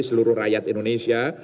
seluruh rakyat indonesia